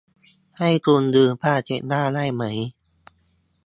ให้คุณยืมผ้าเช็ดหน้าได้ไหม ?